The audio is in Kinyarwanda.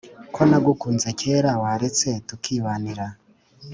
Ko nagukunze kera waretse tukibanira